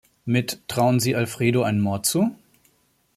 Mit "Trauen Sie Alfredo einen Mord zu?